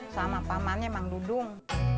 sama pamannya emang dudung